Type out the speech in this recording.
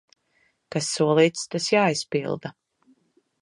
Kas solīts, tas jāizpilda.